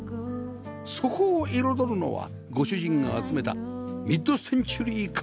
そこを彩るのはご主人が集めたミッドセンチュリー家具です